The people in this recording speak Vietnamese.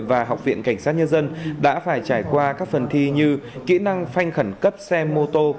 và học viện cảnh sát nhân dân đã phải trải qua các phần thi như kỹ năng phanh khẩn cấp xe mô tô